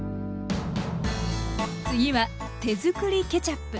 次は手づくりケチャップ。